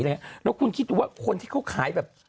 แล้วคุณคิดดูว่าคนที่เขาขายแบบ